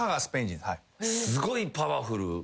すごいパワフル。